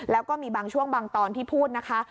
แล้วก็มีบางช่วงบางตอนที่พูดนะคะ